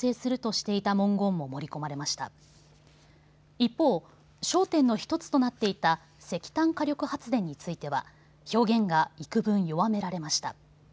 一方、焦点の１つとなっていた石炭火力発電については表現がいくぶん弱められました。